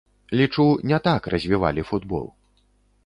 Лічу, не так развівалі футбол.